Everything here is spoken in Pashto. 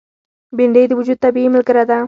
بېنډۍ د وجود طبیعي ملګره ده